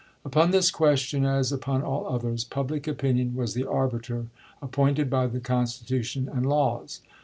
Upon this question, as upon all others, public opinion was the arbiter appointed by the Consti tution and laws.